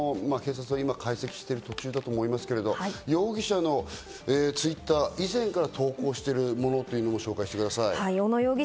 その辺も警察が今、解析している途中だと思いますけど、容疑者のＴｗｉｔｔｅｒ、以前から投稿しているものというのを紹介してください。